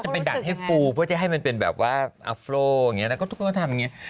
พอรุปผมมาอยาหรือคอ